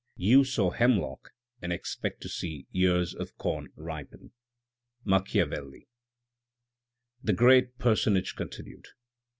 You sow hemlock, and expect to see ears of corn ripen. — Macchiavelli. The great personage continued.